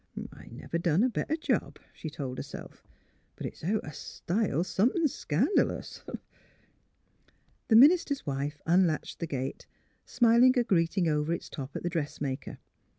*' I never done a better job," she told herself. " But it's out o' style, somethin' scandalous." The minister's wife unlatched the gate, smiling a greeting over its top at the dressmaker.